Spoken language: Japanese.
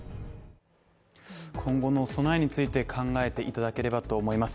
今後の備えについて考えていただければと思います。